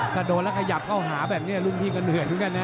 ถ้าโดนแล้วขยับเข้าหาแบบนี้รุ่นพี่ก็เหนื่อยเหมือนกันนะ